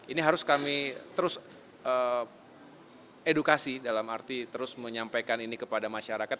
ini harus kami terus edukasi dalam arti terus menyampaikan ini kepada masyarakat